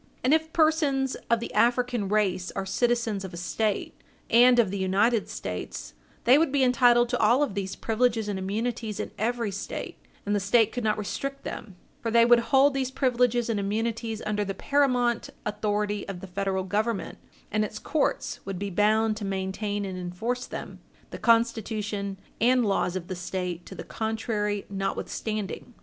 And if persons of the African race are citizens of a State, and of the United States, they would be entitled to all of these privileges and immunities in every State, and the State could not restrict them, for they would hold these privileges and immunities under the paramount authority of the Federal Government, and its courts would be bound to maintain and enforce them, the Constitution and laws of the State to the contrary notwithstanding.